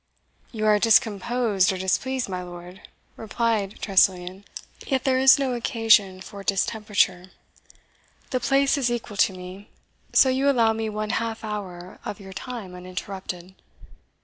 "You are discomposed or displeased, my lord," replied Tressilian; "yet there is no occasion for distemperature. The place is equal to me, so you allow me one half hour of your time uninterrupted."